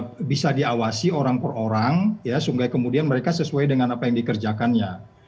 jadi pengawasannya itu adalah pengawas orang orang per orang ya sehingga kemudian mereka sesuai dengan apa yang dikerjakannya